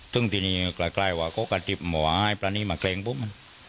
ซึ่งทีนี้ใกล้ว่าก็กระทริปบอกว่าไอ้พระนี้มาแกล้งผม